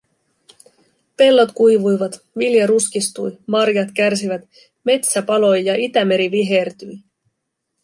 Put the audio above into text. Pellot kuivuivat, vilja ruskistui, marjat kärsivät, metsä paloi ja Itämeri vihertyi.